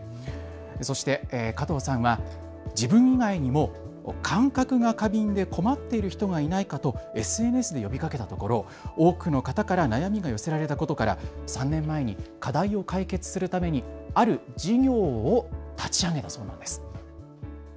そして加藤さんは自分以外にも感覚が過敏で困っている人がいないかとＳＮＳで呼びかけたところ、多くの方から悩みが寄せられたことから３年前に課題を解決するために、ある事業を立ち上げたそうなんです。